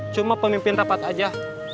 cuma pemimpin rapat aja